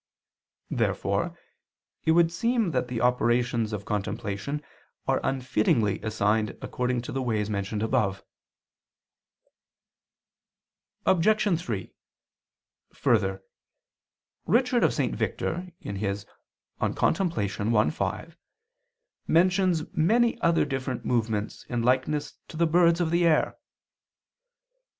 Therefore it would seem that the operations of contemplation are unfittingly assigned according to the ways mentioned above. Obj. 3: Further, Richard of St. Victor (De Contempl. i, 5) mentions many other different movements in likeness to the birds of the air.